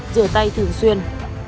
rửa tay thường xuyên